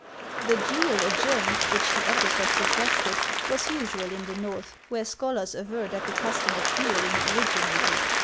The " duel adjourned," which the officer suggested was usual in the North, where scholars aver that the custom of duelling originated.